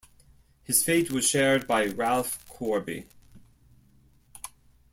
His fate was shared by Ralph Corby.